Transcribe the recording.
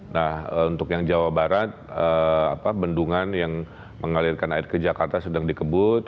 nah untuk yang jawa barat bendungan yang mengalirkan air ke jakarta sedang dikebut